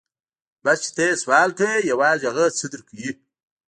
بس چې ته يې سوال کوې يوازې هغه څه در کوي.